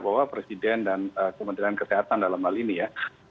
bahwa presiden dan kementerian kesehatan dalam hal ini ya